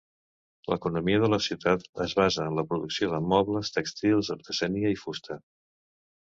L'economia de la ciutat es basa en la producció de mobles, tèxtils, artesania i fusta.